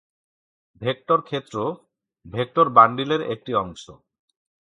Vector ক্ষেত্র, vector বান্ডিলের একটি অংশ।